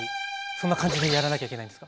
そんな感じでやらなきゃいけないんですか？